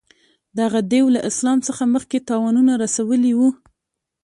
دغه دېو له اسلام څخه مخکې تاوانونه رسولي وه.